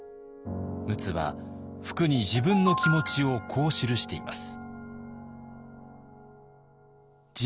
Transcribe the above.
陸奥は服に自分の気持ちをこう記しています。